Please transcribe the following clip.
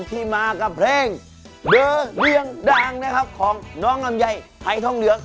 ที่มากับเพลงเดอร์เรื่องดังนะครับของน้องลำไยหายทองเหลือง